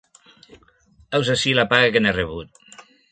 Heus ací la paga que n'he rebut.